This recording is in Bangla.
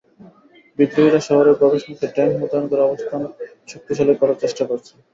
বিদ্রোহীরা শহরের প্রবেশমুখে ট্যাঙ্ক মোতায়েন করে অবস্থান শক্তিশালী করার চেষ্টা করছে।